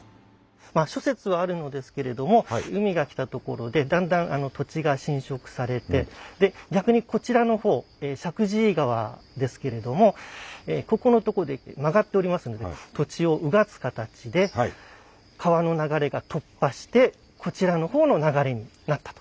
諸説はあるのですけれども海が来たところでだんだん土地が侵食されて逆にこちらの方石神井川ですけれどもここのとこで曲がっておりますので土地をうがつ形で川の流れが突破してこちらの方の流れになったと。